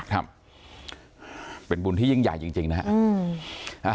ครับเป็นบุญที่ยิ่งใหญ่จริงนะครับ